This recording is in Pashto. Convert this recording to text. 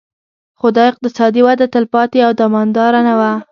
خو دا اقتصادي وده تلپاتې او دوامداره نه وه